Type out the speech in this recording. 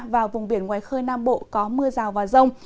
và vùng biển ngoài khơi nam bộ có mưa rào và rông